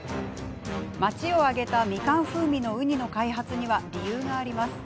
町を挙げたみかん風味のウニの開発には理由があります。